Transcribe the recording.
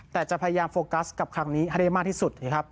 แต่จะพยายามโฟกัสกับครั้งนี้อะไรมากที่สุด